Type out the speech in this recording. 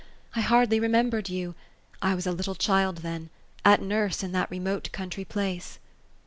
I hardly remembered you. 1 was a little child then ; at nurse, in that remote country place."